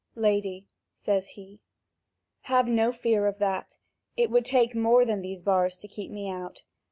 "Lady," says he, "have no fear of that. It would take more than these bars to keep me out.